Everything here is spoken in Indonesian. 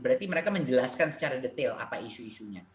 berarti mereka menjelaskan secara detail apa isu isunya